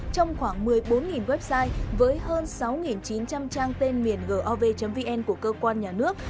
trong khoảng một mươi bốn website với hơn sáu chín trăm linh trang tên miền gov vn của cơ quan nhà nước